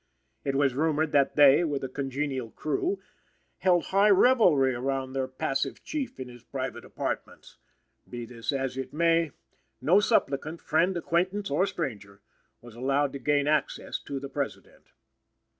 It was rumored that they, with a congenial crew, held high revelry around their passive Chief in his private apartments. Be this as it may, no supplicant friend, acquaintance or stranger was allowed to gain access to the President.